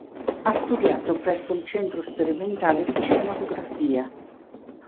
Ha studiato presso il Centro sperimentale di cinematografia.